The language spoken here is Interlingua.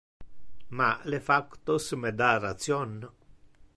Ma le factos me da ration.